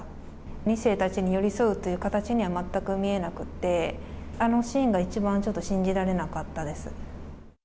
２世たちに寄り添うという形には全く見えなくて、あのシーンが一番信じられなかったです。